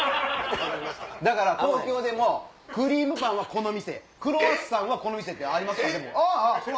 だから東京でもクリームパンはこの店クロワッサンはこの店ってあります。